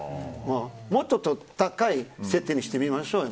もっと高い設定にしましょうよ。